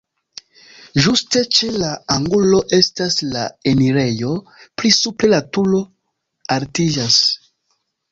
Ĝuste ĉe la angulo estas la enirejo, pli supre la turo altiĝas.